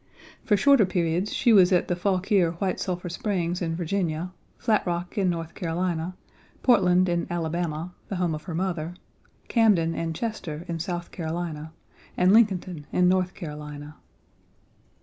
For shorter periods she was at the Fauquier White Sulphur Springs in Virginia, Flat Rock in North Carolina, Portland in Alabama (the home of her mother), Camden and Chester in South Carolina, and Lincolnton in North Carolina.